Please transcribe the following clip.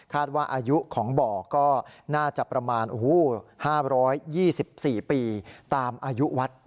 ว่าอายุของบ่อก็น่าจะประมาณ๕๒๔ปีตามอายุวัด